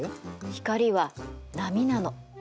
光は波なの。